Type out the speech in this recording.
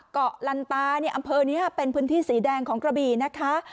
เกาะลันตาเนี่ยอำเภอนี้เป็นพื้นที่สีแดงของกระบี่นะคะ